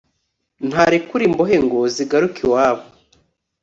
ntarekure imbohe ngo zigaruke iwabo?»